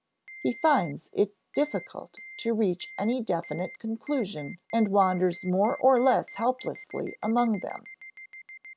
He finds it difficult to reach any definite conclusion and wanders more or less helplessly among them.